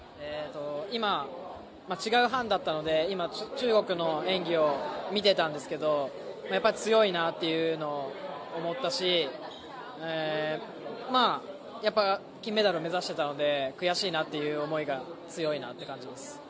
今、違う班だったので中国の演技を見てたんですが強いなっていうのを思ったし、金メダルを目指してたので悔しいなっていう思いが強いなって感じです。